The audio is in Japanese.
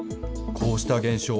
こうした現象。